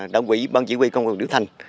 đồng quỹ ban chỉ huy công an đú thành